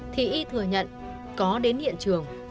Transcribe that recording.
thì y thừa nhận có đến hiện trường